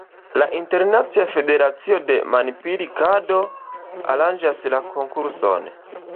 La Internacia Federacio de Manpilkado aranĝas la konkurson.